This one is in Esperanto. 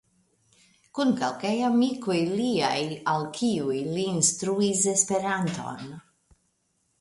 Kun kelkaj amikoj liaj, al kiuj li instruis Esperanton.